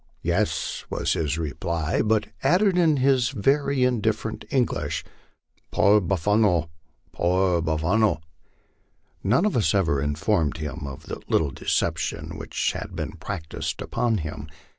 " Yes," was his reply, but added in his very indifferent English, " Poor buf fano, poor buffano." None of us eyer informed him of the little deception which had been practised upon him.